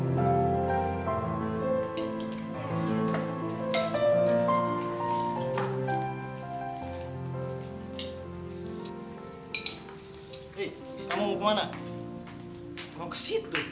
mau ke situ